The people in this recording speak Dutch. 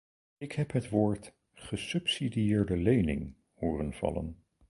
Ik heb het woord "gesubsidieerde lening" horen vallen.